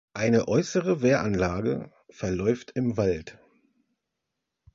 Eine äußere Wehranlage verläuft im Wald.